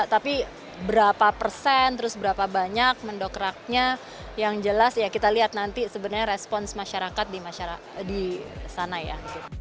tapi berapa persen terus berapa banyak mendokraknya yang jelas ya kita lihat nanti sebenarnya respons masyarakat di sana ya